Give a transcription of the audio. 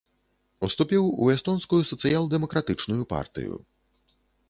Уступіў у эстонскую сацыял-дэмакратычную партыю.